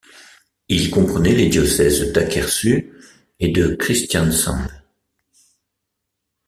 Il comprenait les diocèses d'Akershus et de Kristiansand.